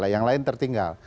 yang lain tertinggal